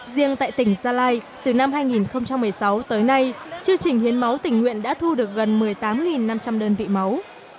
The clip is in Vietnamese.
riêng tại tỉnh gia lai từ năm hai nghìn một mươi sáu tới nay chương trình hiến máu tỉnh nguyện đã thu được gần một mươi tám năm trăm linh đơn vị máu